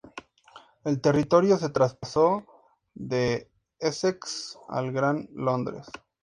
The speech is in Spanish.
El territorio se traspasó de Essex al Gran Londres.